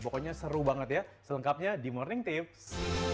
pokoknya seru banget ya selengkapnya di morning tips